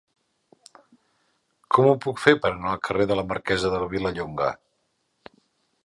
Com ho puc fer per anar al carrer de la Marquesa de Vilallonga?